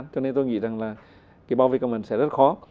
cho nên tôi nghĩ rằng là cái bảo vệ cầm vật sẽ rất khó